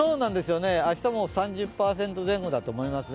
明日も３０％前後だと思いますね。